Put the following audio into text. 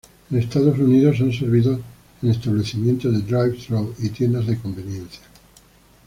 En Estados Unidos son servidos en establecimientos de Drive-through y tiendas de conveniencia.